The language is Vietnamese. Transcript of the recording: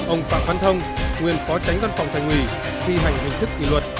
ông phạm văn thông nguyên phó tránh văn phòng thành ủy thi hành hình thức kỷ luật